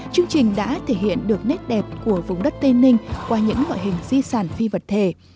chương trình đã thể hiện được nét đẹp của vùng đất tây ninh qua những loại hình di sản phi vật thể